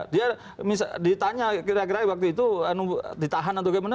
dia ditanya kira kira waktu itu ditahan atau bagaimana